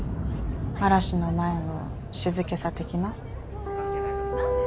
嵐の前の静けさ的な？